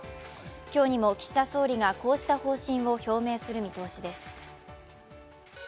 今日にも岸田総理がこうした方針を表明する見通しです。